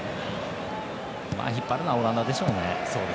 引っ張るのはオランダでしょうね。